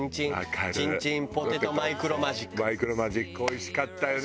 マイクロマジックおいしかったよね。